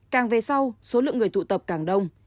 càng về sau số lượng người tụ tập càng đông